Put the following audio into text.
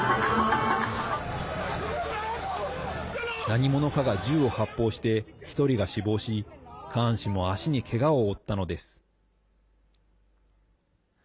何者かが銃を発砲して１人が死亡し、カーン氏も足にけがを負ったのです。